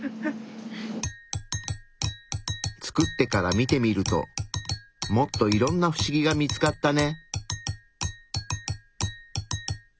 作ってから見てみるともっといろんなフシギが見つかったね。